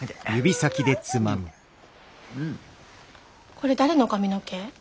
これ誰の髪の毛？